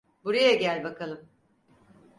Buraya gel bakalım.